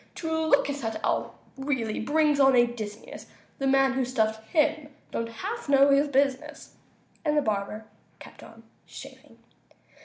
To look at that owl really brings on a dizziness; The man who stuffed him don't half know his business!" And the barber kept on shaving.